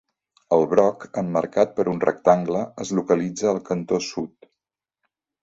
El broc, emmarcat per un rectangle, es localitza al cantó sud.